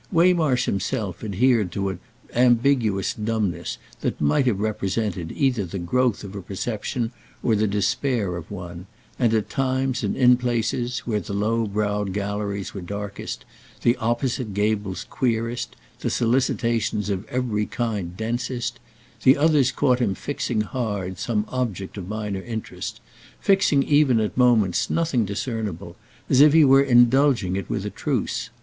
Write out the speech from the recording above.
Waymarsh himself adhered to an ambiguous dumbness that might have represented either the growth of a perception or the despair of one; and at times and in places—where the low browed galleries were darkest, the opposite gables queerest, the solicitations of every kind densest—the others caught him fixing hard some object of minor interest, fixing even at moments nothing discernible, as if he were indulging it with a truce.